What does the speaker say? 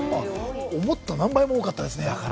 思った何倍も多かったです。